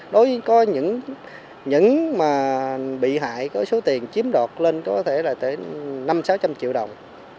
đối với những bị hại có số tiền chiếm đoạt lên có thể là tới năm trăm linh sáu trăm linh triệu đồng